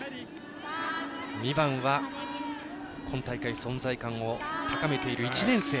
２番は、今大会存在感を高めている１年生。